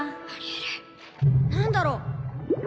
「何だろう？